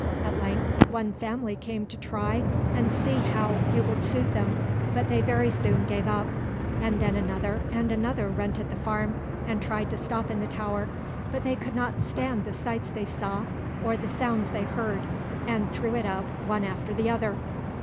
At length, one family came to try and see how it would suit them, but they very soon gave up; and then another and another rented the farm, and tried to stop in the tower, but they could not stand the sights they saw, or the sounds they heard, and threw it up, one after the other.